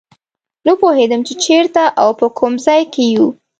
نه پوهېدم چې چېرته او په کوم ځای کې یو.